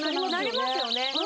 なりますよね。